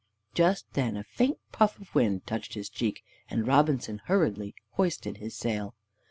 Just then a faint puff of wind touched his cheek, and Robinson hurriedly hoisted his sail.